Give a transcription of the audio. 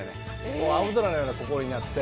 もう青空のような心になって。